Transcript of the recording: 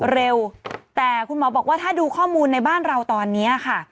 เร็วแต่คุณหมอบอกว่าถ้าดูข้อมูลในบ้านเราตอนนี้ค่ะ